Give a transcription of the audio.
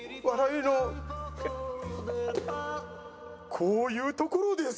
こういうところです！